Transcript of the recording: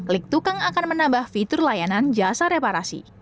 lik tukang akan menambah fitur layanan jasa reparasi